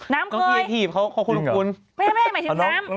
น้ำเคยจริงเหรอไม่หมายถึงน้ำ